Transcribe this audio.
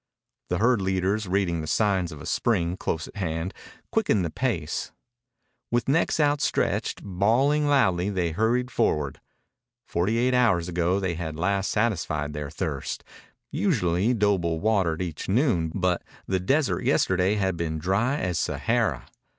The herd leaders, reading the signs of a spring close at hand, quickened the pace. With necks outstretched, bawling loudly, they hurried forward. Forty eight hours ago they had last satisfied their thirst. Usually Doble watered each noon, but the desert yesterday had been dry as Sahara.